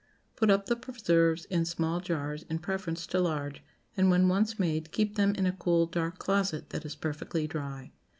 Put up the preserves in small jars in preference to large, and, when once made, keep them in a cool, dark closet that is perfectly dry.